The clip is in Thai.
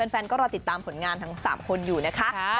แฟนก็รอติดตามผลงานทั้ง๓คนอยู่นะคะ